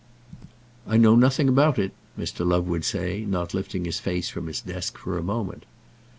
"I know nothing about it," Mr. Love would say, not lifting his face from his desk for a moment.